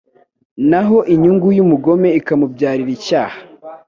naho inyungu y’umugome ikamubyarira icyaha